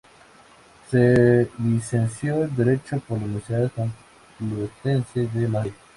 Se licenció en derecho por la Universidad Complutense de Madrid.